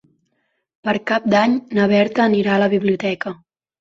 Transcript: Per Cap d'Any na Berta anirà a la biblioteca.